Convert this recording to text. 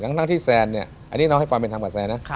ดังนั้นที่แซนเนี่ยอันนี้เราให้ฟาร์มไปทำกับแซนนะ